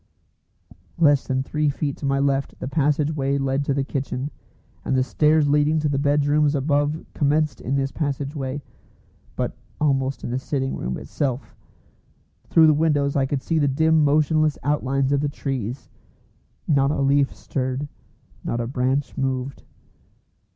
Less than three feet to my left the passage way led to the kitchen, and the stairs leading to the bedrooms above commenced in this passage way, but almost in the sitting room itself. Through the windows I could see the dim motionless outlines of the trees: not a leaf stirred, not a branch moved.